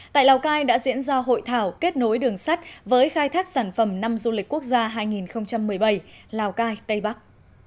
tại lào cai đã diễn ra hội thảo kết nối đường sắt với khai thác sản phẩm năm du lịch quốc gia hai nghìn một mươi bảy lào cai tây bắc